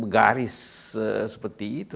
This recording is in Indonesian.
garis seperti itu